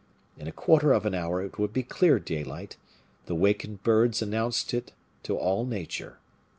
In a quarter of an hour it would be clear daylight; the wakened birds announced it to all nature.